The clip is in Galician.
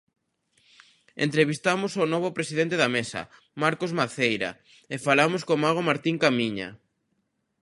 Entrevistamos o novo presidente da Mesa, Marcos Maceira, e falamos co mago Martín Camiña.